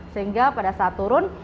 sehingga pada saat turun